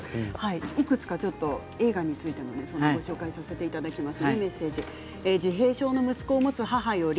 いくつか映画についてもご紹介させていただきます。